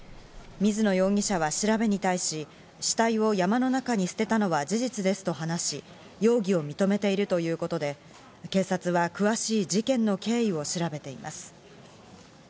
水野容疑者は調べに対し、死体を山の中に捨てたのは事実ですと話し、容疑を認めているということで、警察は詳しい事件の経緯を調べています。